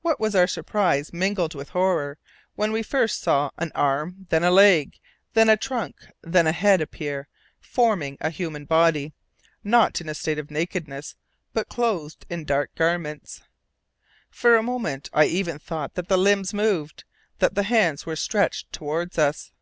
What was our surprise, mingled with horror, when we saw first an arm, then a leg, then a trunk, then a head appear, forming a human body, not in a state of nakedness, but clothed in dark garments. For a moment I even thought that the limbs moved, that the hands were stretched towards us.